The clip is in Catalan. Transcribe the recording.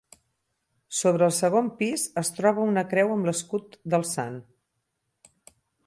Sobre el segon pis es troba una creu amb l'escut del sant.